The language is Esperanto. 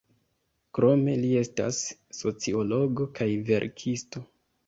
Krome li estas sociologo kaj verkisto.